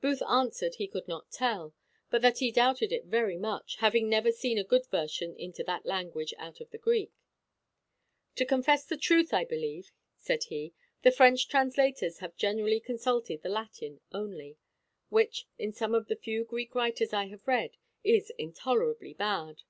Booth answered, he could not tell; but that he doubted it very much, having never seen a good version into that language out of the Greek." To confess the truth, I believe," said he, "the French translators have generally consulted the Latin only; which, in some of the few Greek writers I have read, is intolerably bad.